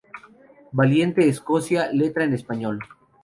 Valiente Escocia, letra en español.